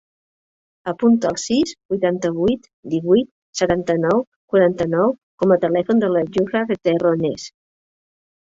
Apunta el sis, vuitanta-vuit, divuit, setanta-nou, quaranta-nou com a telèfon de la Yousra Terrones.